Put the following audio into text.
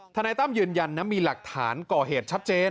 นายตั้มยืนยันนะมีหลักฐานก่อเหตุชัดเจน